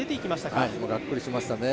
がっくりしましたね。